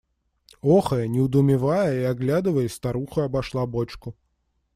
Охая, недоумевая и оглядываясь, старуха обошла бочку.